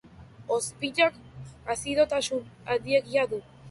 Ozpinak azidotasun handiegia du.